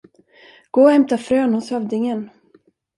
Gå och hämta frön hos hövdingen.